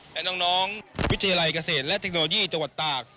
และน้องวิทยาลัยเกษตรและเทคโนโลยีจังหวัดตาก